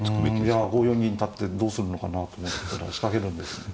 いや５四銀立ってどうするのかなと思ってたら仕掛けるんですね。